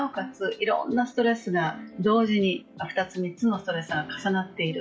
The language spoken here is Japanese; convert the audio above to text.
いろんなストレスが同時に、２つ３つのストレスがかかっている。